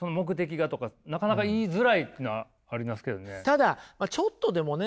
ただちょっとでもね